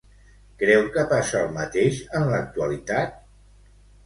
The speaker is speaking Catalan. Creu que passa el mateix en l'actualitat?